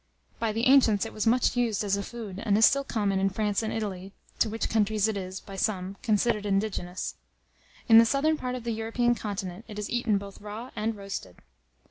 By the ancients it was much used as a food, and is still common in France and Italy, to which countries it is, by some, considered indigenous. In the southern part of the European continent, it is eaten both raw and roasted.